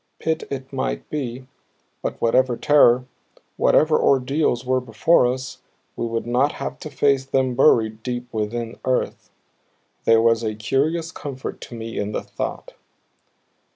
Pit it might be, but whatever terror, whatever ordeals were before us, we would not have to face them buried deep within earth. There was a curious comfort to me in the thought.